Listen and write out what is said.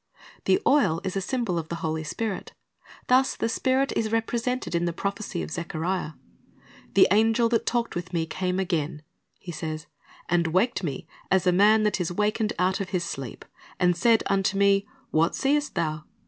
"' The oil is a symbol of the Holy Spirit. Thus the Spirit is represented in the prophecy of Zechariah. "The angel that talked with me came again," he says, "and waked me, as a man that is wakened out of his sleep, and said unto me, What seest thou?